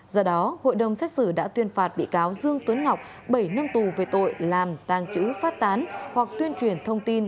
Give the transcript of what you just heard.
do đó hội đồng xét xử đã tuyên phạt bị cáo dương tuấn ngọc bảy năm tù về tội làm tàng trữ phát tán hoặc tuyên truyền thông tin